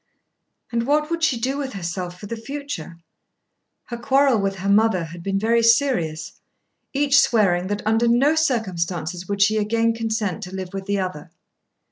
And what would she do with herself for the future? Her quarrel with her mother had been very serious, each swearing that under no circumstances would she again consent to live with the other.